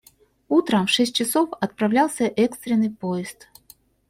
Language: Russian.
Утром в шесть часов отправлялся экстренный поезд.